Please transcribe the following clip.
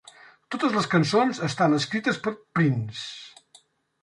Totes les cançons estan escrites per Prince.